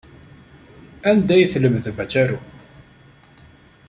Anda ay tlemdem ad tarum?